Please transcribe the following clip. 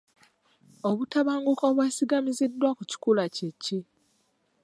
Obutabanguko obwesigamiziddwa ku kikula kye ki?